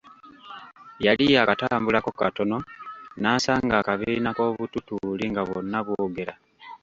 Yali yaakatambulako katono n'asanga akabiina k'obututuuli nga bwonna bwogera.